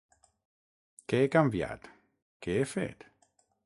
Què he canviat, què he fet?